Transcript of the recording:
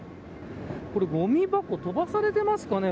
これ、ごみ箱飛ばされてますかね。